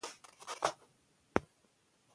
کویلیو ادبي توازن ساتلی دی.